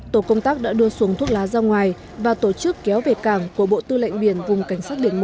tổ công tác đã đưa xuồng thuốc lá ra ngoài và tổ chức kéo về cảng của bộ tư lệnh biển vùng cảnh sát biển một